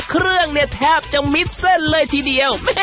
เครื่องเนี่ยแทบจะมิดเส้นเลยทีเดียว